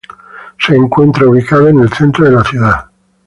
Se encuentra ubicada en el centro de la ciudad.